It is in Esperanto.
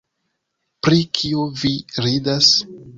Pri kio vi ridas?